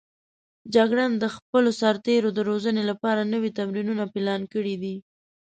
جګړن د خپلو سرتېرو روزنې لپاره نوي تمرینونه پلان کړي دي.